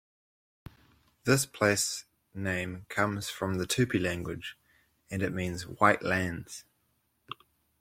This place name comes from the Tupi language, and it means "White Lands".